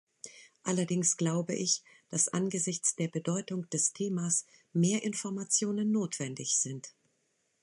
Allerdings glaube ich, dass angesichts der Bedeutung des Themas mehr Informationen notwendig sind.